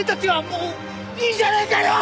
もういいじゃねえかよ！